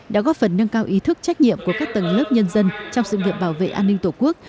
đã góp phần nâng cao ý thức trách nhiệm của các tầng lớp nhân dân trong sự nghiệp bảo vệ an ninh tổ quốc